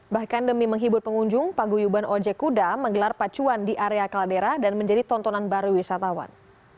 bahkan demi menghibur pengunjung paguyuban ojek kuda menggelar pacuan di area kaladera dan menjadi tontonan baru wisatawan